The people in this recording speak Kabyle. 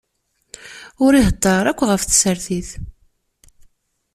Ur iheddeṛ ara akk ɣef tsertit.